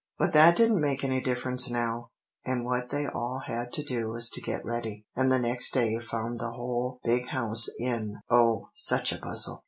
But that didn't make any difference now, and what they all had to do was to get ready; and the next day found the whole Big House in oh, such a bustle!